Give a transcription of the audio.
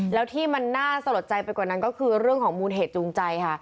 แล้วที่มันน่าสะลดใจไปกว่านั้นก็คือเรื่องของมูลเหตุจูงใจค่ะ